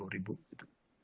lima puluh ribu gitu